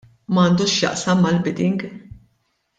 M'għandux x'jaqsam mal-bidding.